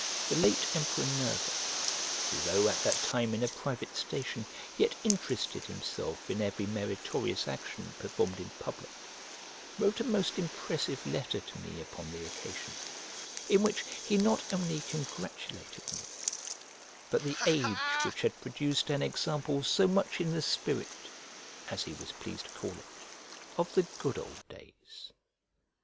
The late emperor Nerva (who, though at that time in a private station, yet interested himself in every meritorious action performed in public) wrote a most impressive letter to me upon the occasion, in which he not only congratulated me, but the age which had produced an example so much in the spirit (as he was pleased to call it) of the good old days.